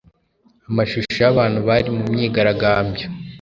amashusho y'abantu bari mu myigaragambyo